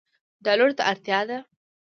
ډالرو ته اړتیا ده